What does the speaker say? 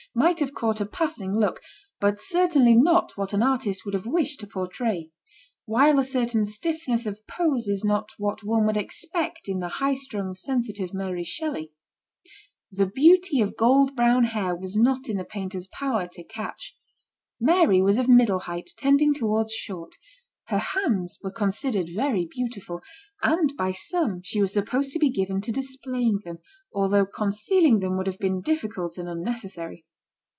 might have caught a passing look, but certainly not what an artist would have wished to portray ; while a certain stiffness of pose is not what one would expect in the high strung, sensitive Mary Shelley. The beauty of gold brown hair was not in the painter's power to catch. Mary was of middle height, tending towards short her hands were considered very beautiful, and by some she was supposed to be given to displaying them, although concealing them would have been difficult and unnecessary.